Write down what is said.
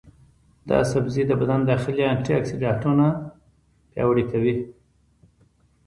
دا سبزی د بدن داخلي انټياکسیدانونه پیاوړي کوي.